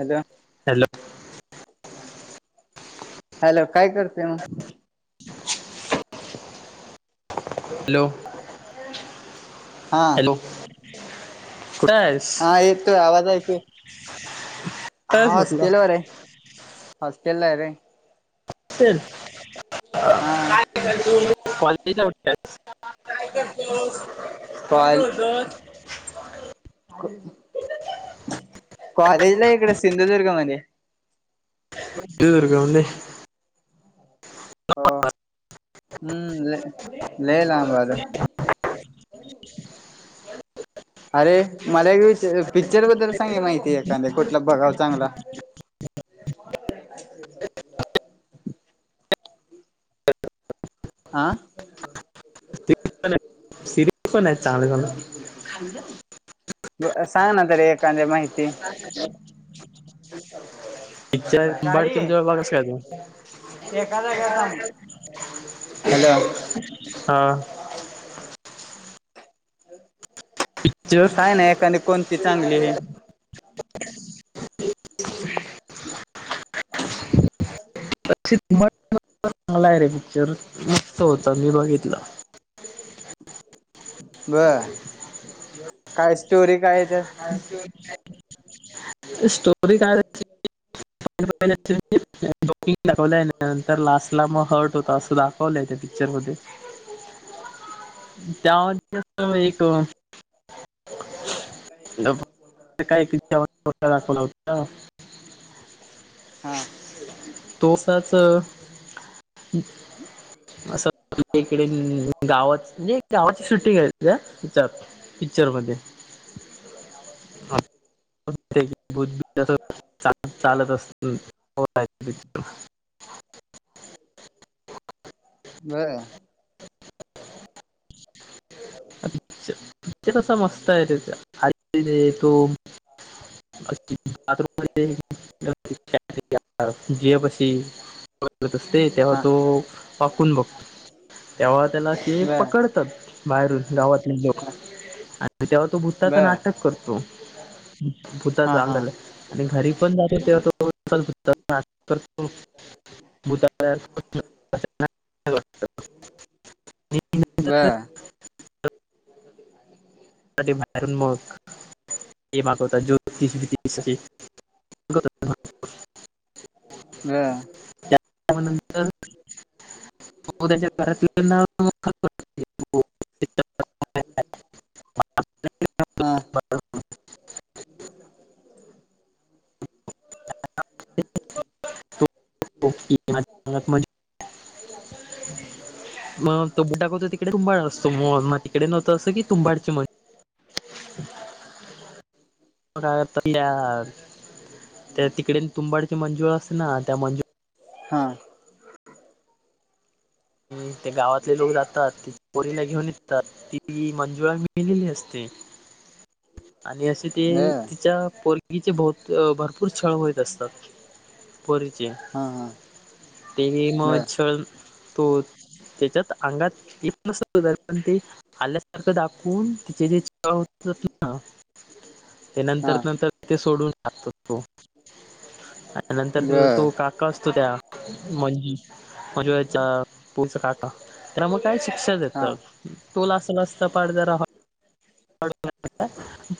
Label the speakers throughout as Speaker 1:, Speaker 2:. Speaker 1: Hello
Speaker 2: hello
Speaker 1: hello काय करते मगं
Speaker 2: [inaudible] हॅलो
Speaker 1: हा
Speaker 2: हॅलो कुठयेस
Speaker 1: हा येतोय आवाज क्लिअर ये, आवाज क्लिअर ये.
Speaker 2: चल
Speaker 1: हा
Speaker 2: काय कॉल बी नाय उचलत.
Speaker 1: दोस्त कॉल कॉलेजला इकड सिंधुदुर्ग मध्ये.
Speaker 2: सिंधुदुर्ग मध्ये.
Speaker 1: हो हम्म लय लांब आलोय. अरे मला एक विच पिक्चर बद्दल सांगकी माहिती एखांद कुठला बघाव चांगला. [inaudible] आा
Speaker 2: पण आहे सिरज पण आहे चांगलं चांगल
Speaker 1: व अ सांग ना तरी एखांदी माहिती.
Speaker 2: पिक्चर
Speaker 1: गाडी एका जाग्यावर थांब हॅलो
Speaker 2: [unintelligible] हा पिक्चर
Speaker 1: सांग ना एखांदी कोणती चांगली हे.
Speaker 2: [inaudible] [unintelligible] मला ये रे पिक्चर मस्त होता, मी बघितला.
Speaker 1: बरं काय स्टोरी काय त्यात?
Speaker 2: स्टोरी काय त्याची [unintelligible] दाखवलाय त्या नंतर लास्ट ला म हर्ट होता अस दा खवलय त्या पिक्चर मध्ये.
Speaker 1: [inaudible]
Speaker 2: त्या [unintelligible] एक [unintelligible]
Speaker 1: हा
Speaker 2: तो असाच असं इकडे गावात म्हणजे गावात शूटिंग आय. त्या हेच्यात पिक्चर मध्ये. [unintelligible] चालतं [unintelligible]
Speaker 1: बर.
Speaker 2: [unintelligible] पिक्चर आसा मस्त आय तो. [unintelligible] बाथरूम मध्ये [unintelligible] दिव्या पाशी [unintelligible] तेव्हा
Speaker 1: हा
Speaker 2: तो वाकून बघतो तेव्हा त्याला ते
Speaker 1: बर
Speaker 2: पकडतात बाहेरून गावात. आणि तेव्हा तो भुताचं
Speaker 1: बर
Speaker 2: नाटक करतो. भूता
Speaker 1: हा हा
Speaker 2: अंगाला आणि घरी पण जातो तेव्हा तो [unintelligible] भूताला [unintelligible]
Speaker 1: बर.
Speaker 2: बाहेरनं बघ हे मागवतात [unintelligible] [unintelligible]
Speaker 1: बर.
Speaker 2: त्याच्या नंतर तो त्याच्या घरातल्याना [unintelligible]
Speaker 1: [inaudible]
Speaker 2: [unintelligible]
Speaker 1: हा.
Speaker 2: [unintelligible]
Speaker 1: बोल लकाच्या.
Speaker 2: [unintelligible] मग तो बोटं दाखवतो तिकडे तुंबाड असतो मग तिकडे नव्हतं असं कि तुंबाडची
Speaker 1: [inaudible]
Speaker 2: तर त्या त्या तिकडे तुंबाडची मंजूळ असते ना त्या मंजुळा
Speaker 1: हा.
Speaker 2: ते गावातले लोक जातात तिच्या पोरीला घेऊन ये तर ती मंजुळा मेलेली असते. आणि असे ते
Speaker 1: बर
Speaker 2: तिच्या पोरगीचे भव -भरपूर छळ व्हयत असतात. पोरींचे
Speaker 1: हा हा
Speaker 2: ते मी म
Speaker 1: बर
Speaker 2: छळ तो त्याच्यात अंगात येतं नसल तरी पण ते आल्यासारखं दाखवून तिचे जे [unintelligible] ना ते
Speaker 1: हा
Speaker 2: नंतर नंतर ते सोडून टाकतो तो आणि नंतर तिचा तो
Speaker 1: बर
Speaker 2: काका असतो त्या मंजू [unintelligible] पोरीचा काका त्याला मग काय शिक्षा देत.
Speaker 1: हा
Speaker 2: तूला लासन असता पार्ट जरा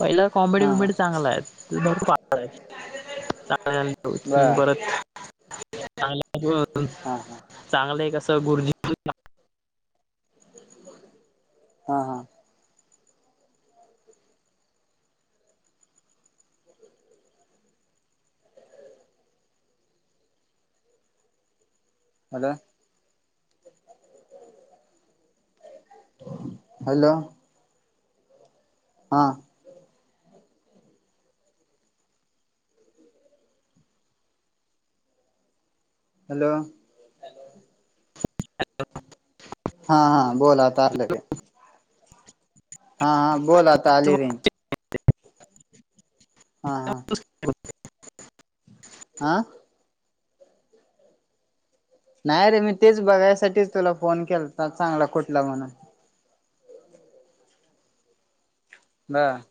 Speaker 2: पहिला कॉमेडी
Speaker 1: हा
Speaker 2: बीमेडी चांगलाय. [unintelligible] [unintelligible] तीन
Speaker 1: बर
Speaker 2: परत [unintelligible]
Speaker 1: हा हा
Speaker 2: चांगलय कसं गुरुजी
Speaker 1: हा. हा. हॅलो! हॅलो! हां. हॅलो! हा हा बोल आता आली रिंग. हा हा, बोल आता आली रिंग.
Speaker 2: [unintelligible]
Speaker 1: हा. हा.
Speaker 2: [unintelligible]
Speaker 1: आ? नाही रे मी तेच बघायसाठीच तुला फोन केलता, चांगला कुठला म्हणून? बर.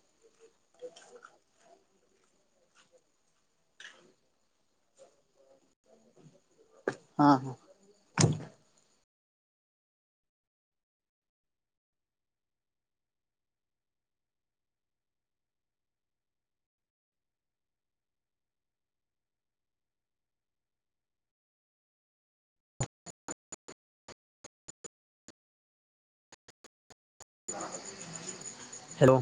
Speaker 1: हां हां.
Speaker 2: हॅलो!